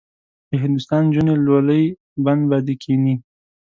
د هندوستان نجونې لولۍ بند به دې کیني.